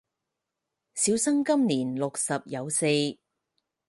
小生今年六十有四